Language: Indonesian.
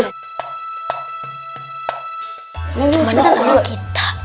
ini bukan saatnya untuk kita